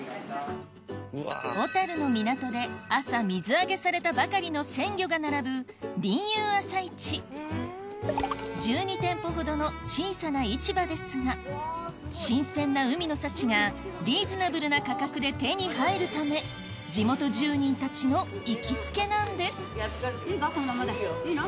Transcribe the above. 小樽の港で朝水揚げされたばかりの鮮魚が並ぶ１２店舗ほどの小さな市場ですが新鮮な海の幸がリーズナブルな価格で手に入るため地元住人たちの行きつけなんですいいの？